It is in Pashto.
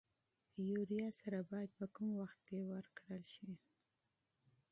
یوریا سره باید په کوم وخت کې ورکړل شي؟